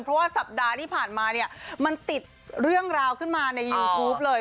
เพราะว่าสัปดาห์ที่ผ่านมาเนี่ยมันติดเรื่องราวขึ้นมาในยูทูปเลย